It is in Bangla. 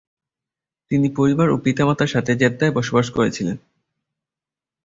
তিনি পরিবার ও পিতামাতার সাথে জেদ্দায় বসবাস করছিলেন।